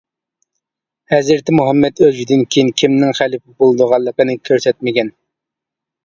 ھەزرىتى مۇھەممەد ئۆزىدىن كېيىن كىمنىڭ خەلىپە بولىدىغانلىقىنى كۆرسەتمىگەن.